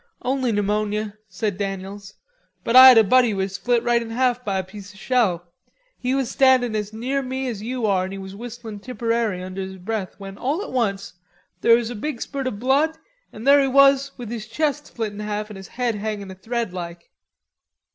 "Only pneumonia," said Daniels, "but I had a buddy who was split right in half by a piece of a shell. He was standin' as near me as you are an' was whistlin' 'Tipperary' under his breath when all at once there was a big spurt o' blood an' there he was with his chest split in half an' his head hangin' a thread like."